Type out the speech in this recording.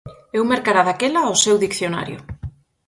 Eu mercara daquela o seu dicionario.